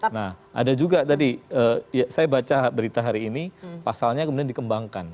nah ada juga tadi saya baca berita hari ini pasalnya kemudian dikembangkan